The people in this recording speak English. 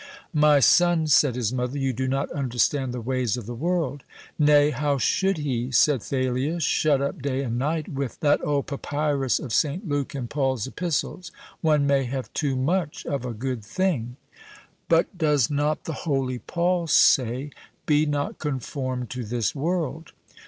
"My son," said his mother, "you do not understand the ways of the world." "Nay, how should he?" said Thalia, "shut up day and night with that old papyrus of St. Luke and Paul's Epistles. One may have too much of a good thing." "But does not the holy Paul say, 'Be not conformed to this world'?"